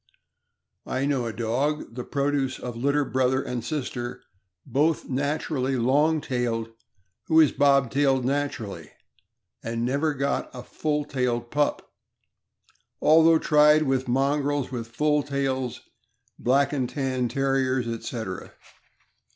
I know a dog, the produce of litter brother and sister, both naturally long tailed, who is bobtailed naturally, and never got a full tailed pup, although tried with mongrels with full tails, Black and Tan Terriers, etc. ..